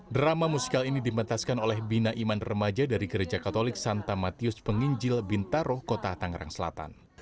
drama musikal ini dimentaskan oleh bina iman remaja dari gereja katolik santa matius penginjil bintaro kota tangerang selatan